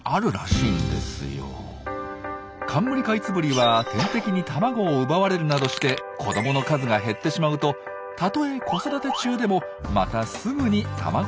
カンムリカイツブリは天敵に卵を奪われるなどして子どもの数が減ってしまうとたとえ子育て中でもまたすぐに卵を産むことがあるそうなんです。